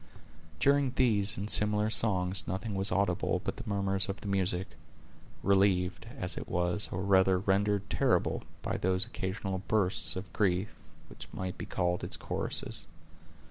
During these and similar songs nothing was audible but the murmurs of the music; relieved, as it was, or rather rendered terrible, by those occasional bursts of grief which might be called its choruses.